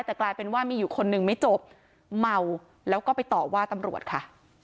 แต่กลายเป็นว่ามีอยู่คนหนึ่งไม่จบเมาแล้วก็ไปต่อว่าตำรวจค่ะ